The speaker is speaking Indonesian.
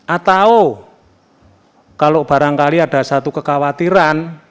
atau kalau barangkali ada satu kekhawatiran